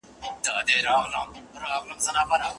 د انتيکو پلورونکی ساعت نه خرابوي.